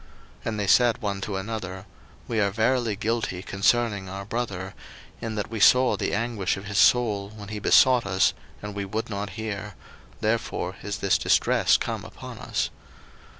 01:042:021 And they said one to another, We are verily guilty concerning our brother, in that we saw the anguish of his soul, when he besought us, and we would not hear; therefore is this distress come upon us.